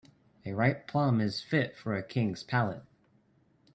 A ripe plum is fit for a king's palate.